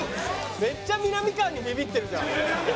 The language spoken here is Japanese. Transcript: めっちゃみなみかわにビビってるじゃん。